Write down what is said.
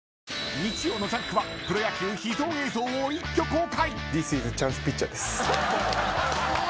［日曜の『ジャンク』はプロ野球秘蔵映像を一挙公開］